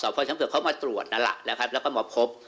สอบพลช้างเผื่อเขามาตรวจน่ะล่ะแล้วครับแล้วก็หมอบพบ